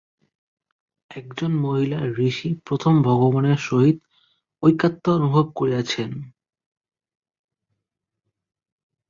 একজন মহিলা-ঋষিই প্রথম ভগবানের সহিত ঐকাত্ম্য অনুভব করিয়াছিলেন।